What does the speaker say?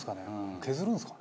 削るんですかね？